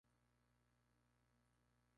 Se pueden combinar y los hay de todas las formas.